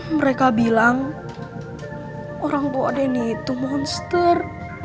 mereka bilang orang bawa deni itu monster